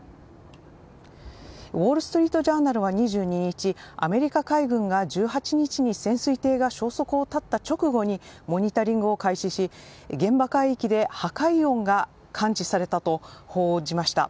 ウォール・ストリート・ジャーナルは２２日アメリカ海軍が１８日に潜水艇が消息を絶った直後にモニタリングを開始し現場海域で破壊音が感知されたと報じました。